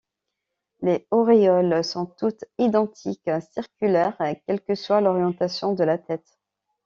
Les auréoles sont toutes identiques, circulaires quelle que soit l'orientation de la tête.